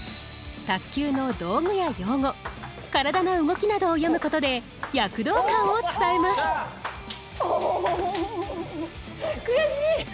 卓球の道具や用語体の動きなどを詠むことで躍動感を伝えます悔しい！